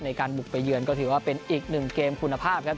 ในการบุกไปเยือนก็ถือว่าเป็นอีกหนึ่งเกมคุณภาพครับ